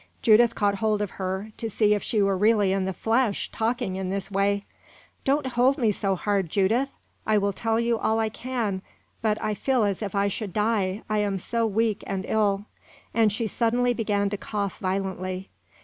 Judith caught hold of her, to see if she were really in the flesh, talking in this way. "Don't hold me so hard, Judith. I will tell you all I can; but I feel as if I should die, I am so weak and ill " and she suddenly began to cough violently.